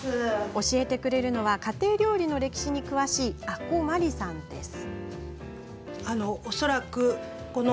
教えてくれるのは家庭料理の歴史に詳しい阿古真理さんです。